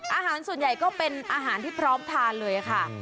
อาหารส่วนใหญ่ก็เป็นอาหารที่พร้อมทานเลยค่ะ